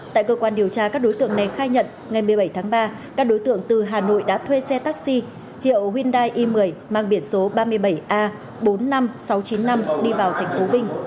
tại cơ quan điều tra các đối tượng này khai nhận ngày một mươi bảy tháng ba các đối tượng từ hà nội đã thuê xe taxi hiệu hyundai i một mươi mang biển số ba mươi bảy a bốn mươi năm nghìn sáu trăm chín mươi năm đi vào tp vinh